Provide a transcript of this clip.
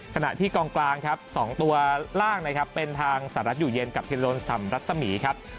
ขณะที่กองกลางครับ๒ตัวล่างนะครับเป็นทางสหรัฐอยู่เย็นกับพิโลนสำรัศมีครับ